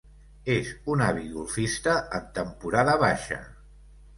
Es un àvid golfista en temporada baixa.